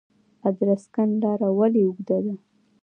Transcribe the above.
ادرسکن لاره ولې اوږده ده؟